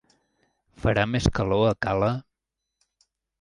Farà més calor a Cale?